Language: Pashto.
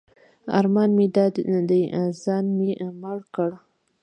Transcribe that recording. ارمان مې دا دی ځان مې مړ کړ.